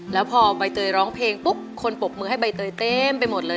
แล้วพอใบเตยร้องเพลงปุ๊บคนปรบมือให้ใบเตยเต็มไปหมดเลย